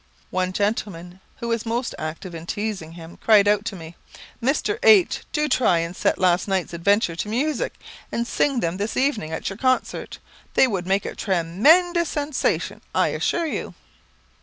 One gentleman, who was most active in teasing him, cried out to me, "Mr. H , do try and set last night's adventures to music, and sing them this evening at your concert. They would make a tre men dous sensation, I assure you."